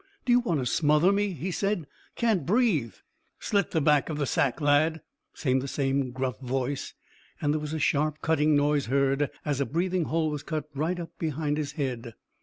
"Do you want to smother me?" he said. "Can't breathe." "Slit the back of the sack, lad," said the same gruff voice, and there was a sharp cutting noise heard, as a breathing hole was cut right up behind his head.